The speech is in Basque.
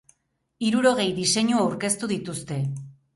Hirurogei diseinu aurkeztu dituzte.